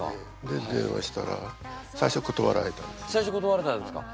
で電話したら最初ことわられたんですか。